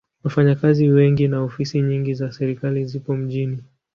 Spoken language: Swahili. Wafanyakazi wengi na ofisi nyingi za serikali zipo mjini.